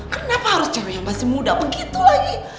kenapa harus cewek yang masih muda begitu lagi